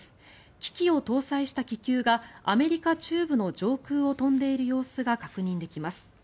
機器を搭載した気球がアメリカ中部の上空を飛んでいる様子が確認できます。